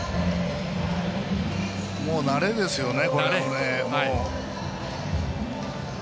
もう慣れですよね。